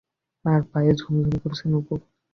তার পায়ে ঝুমঝুম করছে নূপুর।